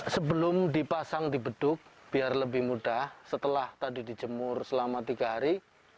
sebelum dipasang di beduk biar lebih mudah setelah tadi dijemur selama tiga hari